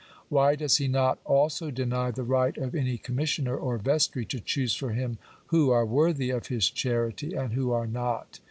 Why does he not also deny the right of any commissioner or vestry to choose for him who are worthy of his charity and who are not